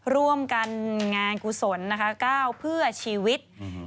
ร่วมกันงานกุศล๙เพื่อชีวิต